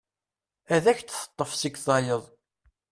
Ad ak-d-teṭṭef seg tayeḍ.